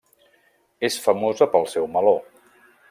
És famosa pel seu meló.